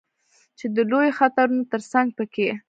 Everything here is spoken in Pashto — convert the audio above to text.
چې د لویو خطرونو ترڅنګ په کې